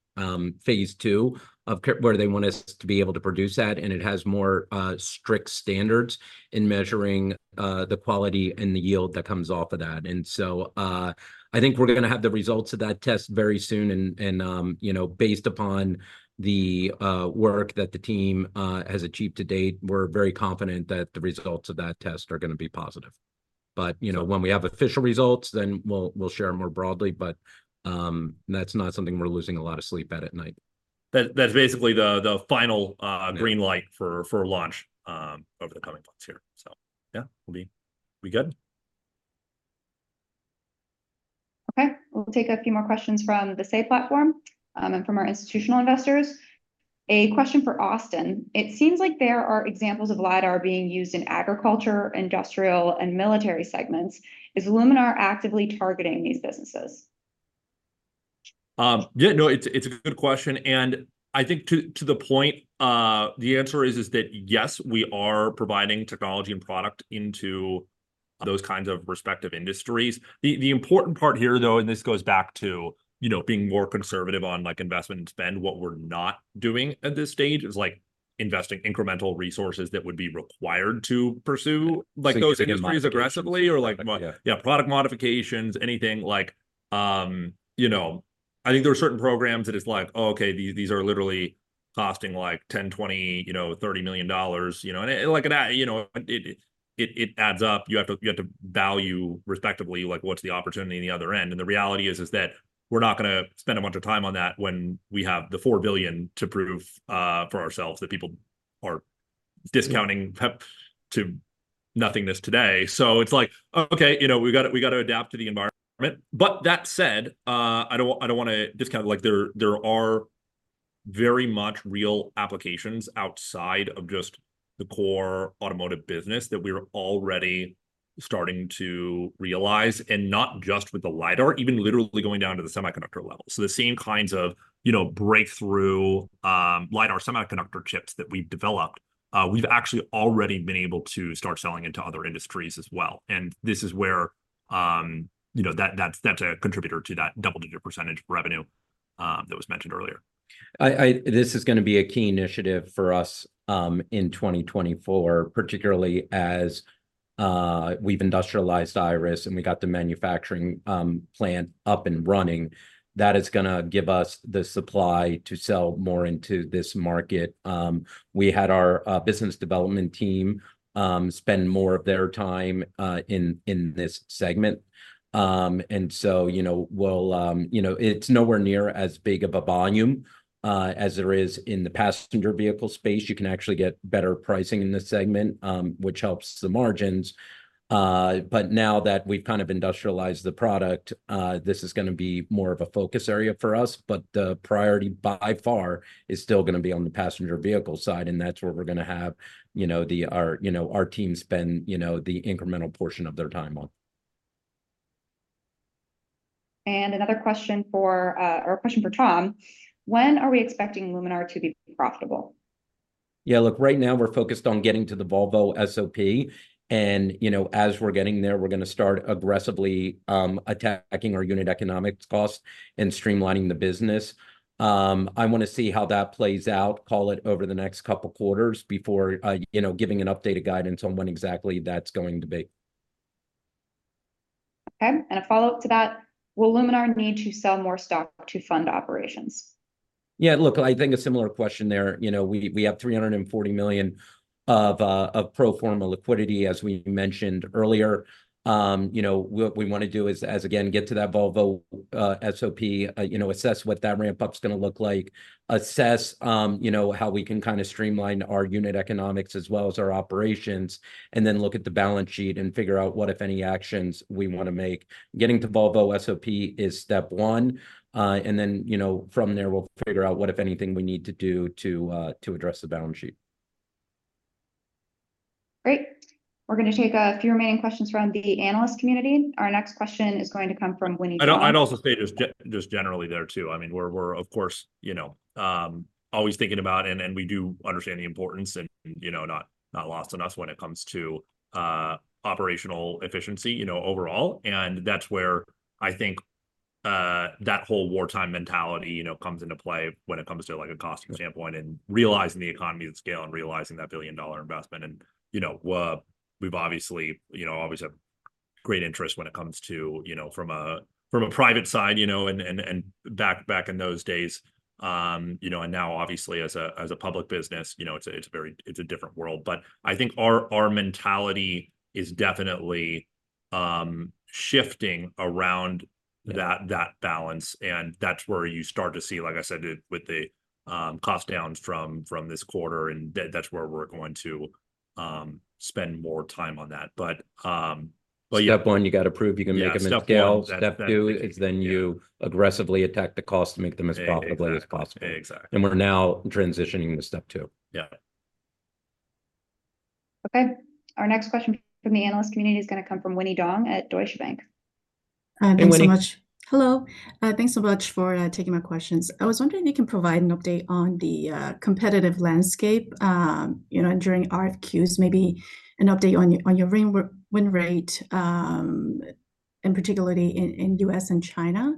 phase two of where they want us to be able to produce that. It has more strict standards in measuring the quality and the yield that comes off of that. So I think we're going to have the results of that test very soon. Based upon the work that the team has achieved to date, we're very confident that the results of that test are going to be positive. But when we have official results, then we'll share more broadly. But that's not something we're losing a lot of sleep at night. That's basically the final green light for launch over the coming months here. So yeah, we'll be good. Okay. We'll take a few more questions from the SAY platform and from our institutional investors. A question for Austin. It seems like there are examples of LiDAR being used in agriculture, industrial, and military segments. Is Luminar actively targeting these businesses? Yeah. No, it's a good question. And I think to the point, the answer is that yes, we are providing technology and product into those kinds of respective industries. The important part here, though, and this goes back to being more conservative on investment and spend, what we're not doing at this stage is investing incremental resources that would be required to pursue those industries aggressively or, yeah, product modifications, anything. I think there are certain programs that it's like, "Oh, okay, these are literally costing like $10 million, $20 million, $30 million." And it adds up. You have to value respectively what's the opportunity on the other end. And the reality is that we're not going to spend a bunch of time on that when we have the $4 billion to prove for ourselves that people are discounting to nothingness today. So it's like, "Okay, we got to adapt to the environment." But that said, I don't want to discount there are very much real applications outside of just the core automotive business that we're already starting to realize and not just with the LiDAR, even literally going down to the semiconductor level. So the same kinds of breakthrough LiDAR semiconductor chips that we've developed, we've actually already been able to start selling into other industries as well. And this is where that's a contributor to that double-digit % revenue that was mentioned earlier. This is going to be a key initiative for us in 2024, particularly as we've industrialized Iris and we got the manufacturing plant up and running. That is going to give us the supply to sell more into this market. We had our business development team spend more of their time in this segment. And so, well, it's nowhere near as big of a volume as there is in the passenger vehicle space. You can actually get better pricing in this segment, which helps the margins. But now that we've kind of industrialized the product, this is going to be more of a focus area for us. But the priority by far is still going to be on the passenger vehicle side. And that's where we're going to have our team spend the incremental portion of their time on. Another question for Tom. When are we expecting Luminar to be profitable? Yeah. Look, right now, we're focused on getting to the Volvo SOP. As we're getting there, we're going to start aggressively attacking our unit economics costs and streamlining the business. I want to see how that plays out, call it, over the next couple of quarters before giving an updated guidance on when exactly that's going to be. Okay. And a follow-up to that. Will Luminar need to sell more stock to fund operations? Yeah. Look, I think a similar question there. We have $340 million of pro forma liquidity, as we mentioned earlier. What we want to do is, again, get to that Volvo SOP, assess what that ramp-up is going to look like, assess how we can kind of streamline our unit economics as well as our operations, and then look at the balance sheet and figure out what, if any, actions we want to make. Getting to Volvo SOP is step one. And then from there, we'll figure out what, if anything, we need to do to address the balance sheet. Great. We're going to take a few remaining questions from the analyst community. Our next question is going to come from Winnie Dong. I'd also say just generally there too. I mean, we're, of course, always thinking about and we do understand the importance and not lost on us when it comes to operational efficiency overall. And that's where I think that whole wartime mentality comes into play when it comes to a cost standpoint and realizing the economy of scale and realizing that billion dollar investment. And we've obviously always had great interest when it comes to from a private side and back in those days. And now, obviously, as a public business, it's a different world. But I think our mentality is definitely shifting around that balance. And that's where you start to see, like I said, with the cost downs from this quarter, and that's where we're going to spend more time on that. But yeah. Step one, you got to prove you can make them at scale. Step two is then you aggressively attack the cost to make them as profitably as possible. We're now transitioning to step two. Yeah. Okay. Our next question from the analyst community is going to come from Winnie Dong at Deutsche Bank. Thanks so much. Hello. Thanks so much for taking my questions. I was wondering if you can provide an update on the competitive landscape during RFQs, maybe an update on your win rate, in particular in the U.S. and China,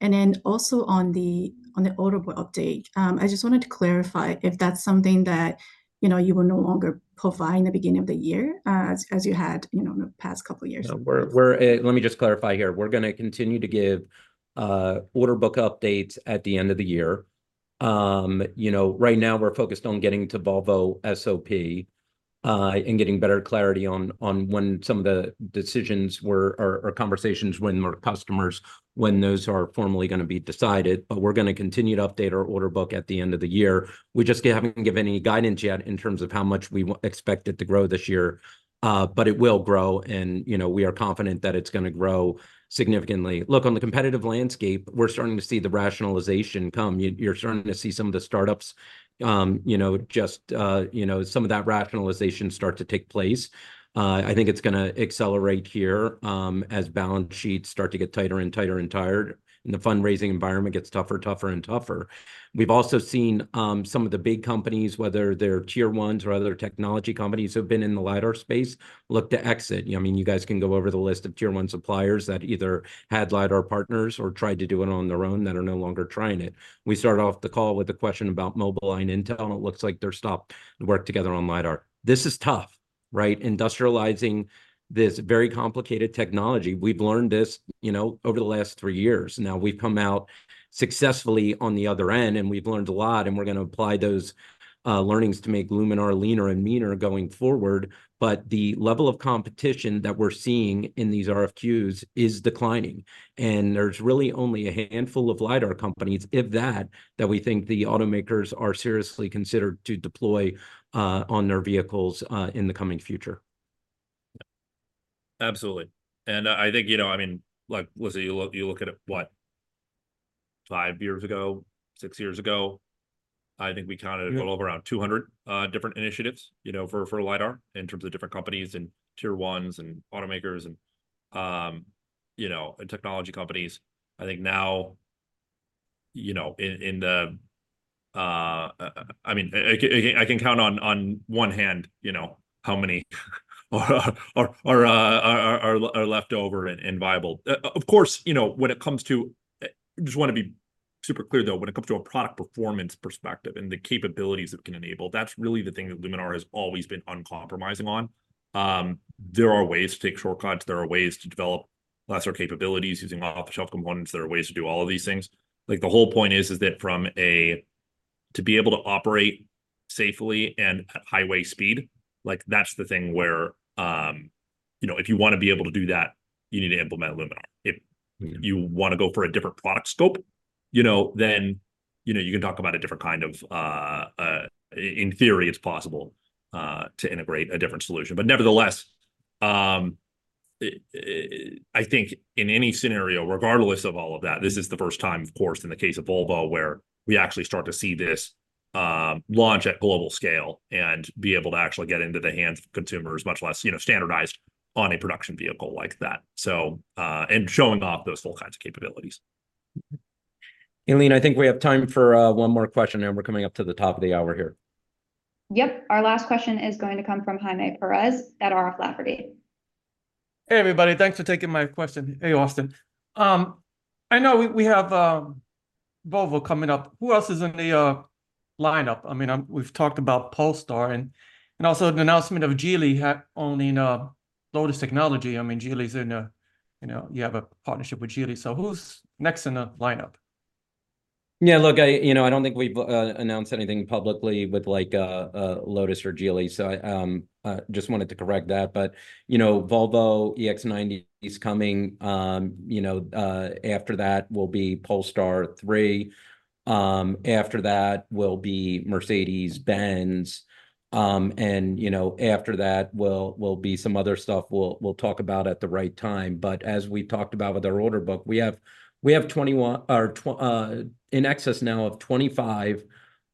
and then also on the Order Book update. I just wanted to clarify if that's something that you will no longer provide in the beginning of the year as you had in the past couple of years. Yeah. Let me just clarify here. We're going to continue to give order book updates at the end of the year. Right now, we're focused on getting to Volvo SOP and getting better clarity on when some of the decisions or conversations with more customers, when those are formally going to be decided. But we're going to continue to update our order book at the end of the year. We just haven't given any guidance yet in terms of how much we expect it to grow this year. But it will grow. And we are confident that it's going to grow significantly. Look, on the competitive landscape, we're starting to see the rationalization come. You're starting to see some of the startups just some of that rationalization start to take place. I think it's going to accelerate here as balance sheets start to get tighter and tighter and tighter, and the fundraising environment gets tougher and tougher and tougher. We've also seen some of the big companies, whether they're Tier 1s or other technology companies who have been in the LiDAR space, look to exit. I mean, you guys can go over the list of Tier 1 suppliers that either had LiDAR partners or tried to do it on their own that are no longer trying it. We started off the call with a question about Mobileye and Intel, and it looks like they're stopped to work together on LiDAR. This is tough, right? Industrializing this very complicated technology, we've learned this over the last three years. Now, we've come out successfully on the other end, and we've learned a lot. We're going to apply those learnings to make Luminar leaner and meaner going forward. But the level of competition that we're seeing in these RFQs is declining. There's really only a handful of LiDAR companies, if that, that we think the automakers are seriously considered to deploy on their vehicles in the coming future. Yeah. Absolutely. And I think, I mean, listen, you look at it, what, five years ago, six years ago, I think we counted it all around 200 different initiatives for LiDAR in terms of different companies and Tier 1s and automakers and technology companies. I think now, in the I mean, I can count on one hand how many are leftover and viable. Of course, when it comes to I just want to be super clear, though, when it comes to a product performance perspective and the capabilities it can enable, that's really the thing that Luminar has always been uncompromising on. There are ways to take shortcuts. There are ways to develop lesser capabilities using off-the-shelf components. There are ways to do all of these things. The whole point is that to be able to operate safely and at highway speed, that's the thing where if you want to be able to do that, you need to implement Luminar. If you want to go for a different product scope, then you can talk about a different kind of, in theory, it's possible to integrate a different solution. But nevertheless, I think in any scenario, regardless of all of that, this is the first time, of course, in the case of Volvo where we actually start to see this launch at global scale and be able to actually get into the hands of consumers, much less standardized on a production vehicle like that and showing off those full kinds of capabilities. Aileen, I think we have time for one more question, and we're coming up to the top of the hour here. Yep. Our last question is going to come from Jaime Perez at RF Lafferty. Hey, everybody. Thanks for taking my question. Hey, Austin. I know we have Volvo coming up. Who else is in the lineup? I mean, we've talked about Polestar and also the announcement of Geely owning Lotus Technology. I mean, Geely is in a you have a partnership with Geely. So who's next in the lineup? Yeah. Look, I don't think we've announced anything publicly with Lotus or Geely. So I just wanted to correct that. But Volvo EX90 is coming. After that will be Polestar 3. After that will be Mercedes-Benz. And after that will be some other stuff we'll talk about at the right time. But as we've talked about with our order book, we have in excess now of 25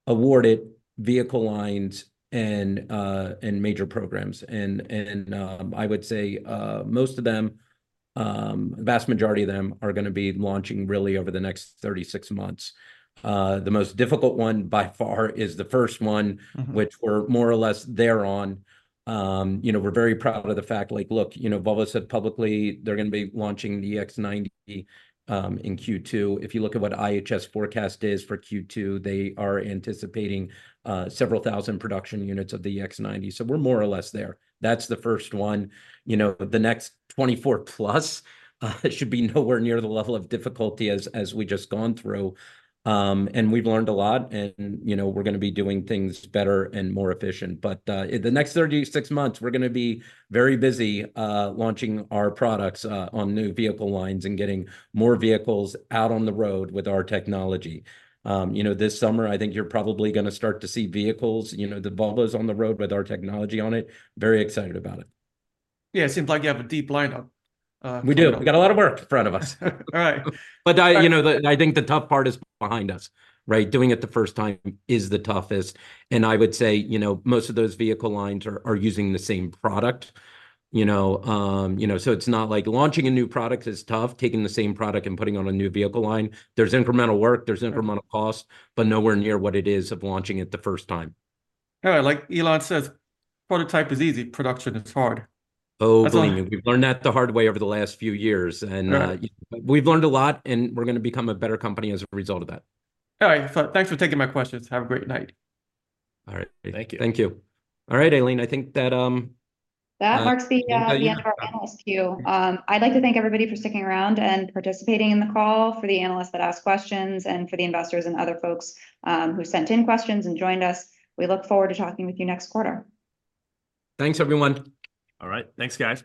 awarded vehicle lines and major programs. And I would say most of them, the vast majority of them, are going to be launching really over the next 36 months. The most difficult one by far is the first one, which we're more or less there on. We're very proud of the fact, like, look, Volvo said publicly they're going to be launching the EX90 in Q2. If you look at what IHS forecast is for Q2, they are anticipating several thousand production units of the EX90. So we're more or less there. That's the first one. The next 24+ should be nowhere near the level of difficulty as we've just gone through. And we've learned a lot, and we're going to be doing things better and more efficient. But the next 36 months, we're going to be very busy launching our products on new vehicle lines and getting more vehicles out on the road with our technology. This summer, I think you're probably going to start to see vehicles, the Volvos, on the road with our technology on it. Very excited about it. Yeah. It seems like you have a deep lineup. We do. We got a lot of work in front of us. All right. But I think the tough part is behind us, right? Doing it the first time is the toughest. And I would say most of those vehicle lines are using the same product. So it's not like launching a new product is tough, taking the same product and putting on a new vehicle line. There's incremental work. There's incremental cost, but nowhere near what it is of launching it the first time. Yeah. Like Elon says, prototype is easy. Production is hard. Oh, Winnie, we've learned that the hard way over the last few years. And we've learned a lot, and we're going to become a better company as a result of that. All right. Thanks for taking my questions. Have a great night. All right. Thank you. Thank you. All right, Aileen, I think that. That marks the end of our analyst queue. I'd like to thank everybody for sticking around and participating in the call, for the analysts that asked questions, and for the investors and other folks who sent in questions and joined us. We look forward to talking with you next quarter. Thanks, everyone. All right. Thanks, guys.